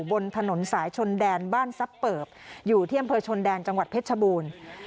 บนถนนสายชนแดนบ้านซับเปิบอยู่ที่อำเภอชนแดนจังหวัดเพชรชบูรณ์